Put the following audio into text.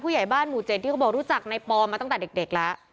ใหญ่บ้านหมู่๗ที่เขาบอกรู้จักในปอนมาตั้งแต่เด็กแล้ว